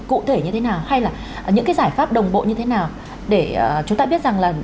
cụ thể như thế nào hay là những cái giải pháp đồng bộ như thế nào để chúng ta biết rằng là